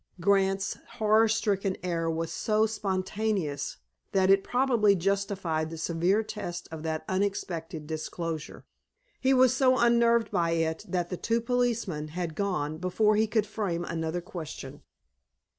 Grant's horror stricken air was so spontaneous that it probably justified the severe test of that unexpected disclosure. He was so unnerved by it that the two policemen had gone before he could frame another question.